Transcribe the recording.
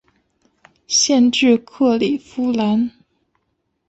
县治克里夫兰。